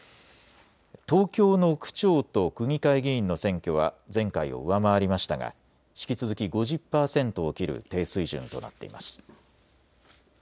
東京の区長と区議会議員の選挙は前回を上回りましたが引き続き５０％を切る低水準となっています。